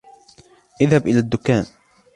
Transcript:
اذهب إلى الدكان.